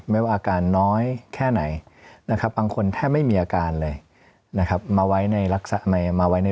ไม่ว่าอาการน้อยแค่ไหนนะครับบางคนแทบไม่มีอาการเลยนะครับมาไว้ในลักษณะในมาไว้ใน